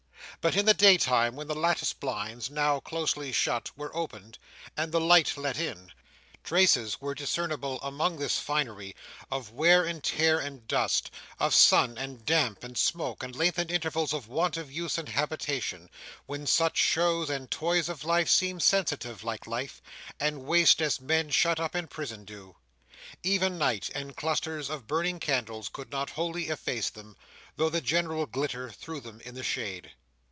But in the day time, when the lattice blinds (now closely shut) were opened, and the light let in, traces were discernible among this finery, of wear and tear and dust, of sun and damp and smoke, and lengthened intervals of want of use and habitation, when such shows and toys of life seem sensitive like life, and waste as men shut up in prison do. Even night, and clusters of burning candles, could not wholly efface them, though the general glitter threw them in the shade.